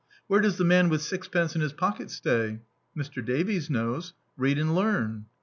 Where does the man with sixpence In his pocket stay? Mr. Davies knows. Read and learn.